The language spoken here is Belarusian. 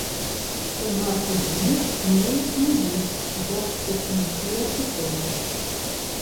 У нашы дні не існуюць як этнічная супольнасць.